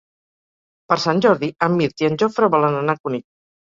Per Sant Jordi en Mirt i en Jofre volen anar a Cunit.